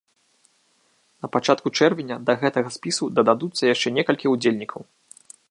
На пачатку чэрвеня да гэтага спісу дададуцца яшчэ некалькі ўдзельнікаў.